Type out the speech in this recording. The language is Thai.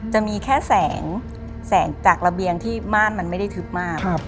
จะมีแค่แสงจากระเบียงที่ม่านมันไม่ได้ทึบมาก